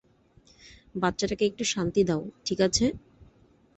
বাচ্চাটাকে একটু শান্তি দাও, ঠিক আছে?